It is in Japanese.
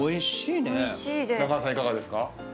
いかがですか？